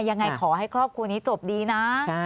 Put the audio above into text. ยังไงขอให้ครอบครัวนี้จบดีนะ